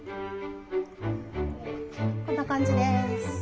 こんな感じです。